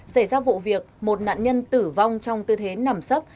xảy ra vụ việc một nạn nhân tử vong trong tư thế nằm sấp